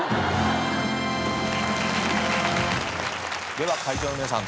では会場の皆さん